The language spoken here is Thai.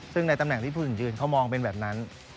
ซึ่งในตำแหน่งพูดหญิงถือกึ่งเขามองเป็นแบบนั้น